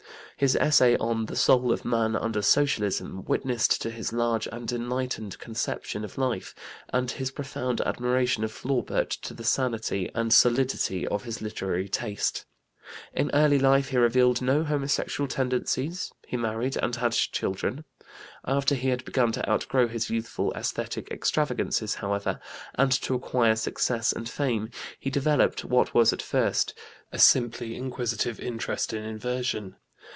His essay on "The Soul of Man Under Socialism" witnessed to his large and enlightened conception of life, and his profound admiration for Flaubert to the sanity and solidity of his literary taste. In early life he revealed no homosexual tendencies; he married and had children. After he had begun to outgrow his youthful esthetic extravagances, however, and to acquire success and fame, he developed what was at first a simply inquisitive interest in inversion.